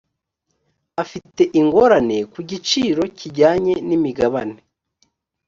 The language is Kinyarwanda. afite ingorane ku giciro kijyanye n’imigabane